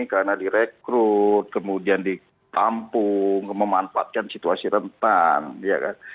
karena direkrut kemudian ditampung memanfaatkan situasi rentan ya kan